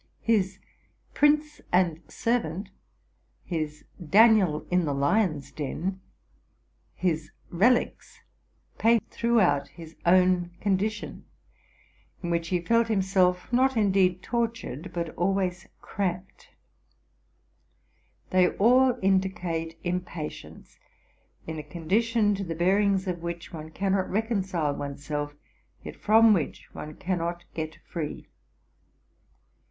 His 66 TRUTH AND FICTION '¢ Prince and Servant,'' his '' Daniel in the Lions' Den,"' his '* Relies,'"' paint throughout his own condition, in which he felt himself, not indeed tortured, but always cramped. They all indicate impatience in a condition, to the bearings of which one cannot reconcile one's self, yet from which one cannot get free.